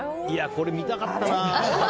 これ、見たかったな。